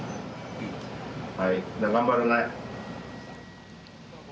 うん、肺、じゃあ、頑張るね。